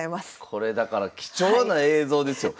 これだから貴重な映像ですよ。